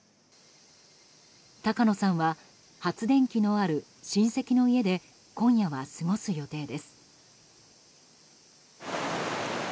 高野さんは発電機のある親戚の家で今夜は過ごす予定です。